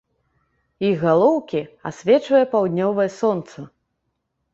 Іх галоўкі асвечвае паўднёвае сонца.